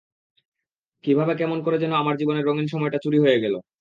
কীভাবে কেমন করে যেন আমার জীবনের রঙিন সময়টা চুরি হয়ে গেল।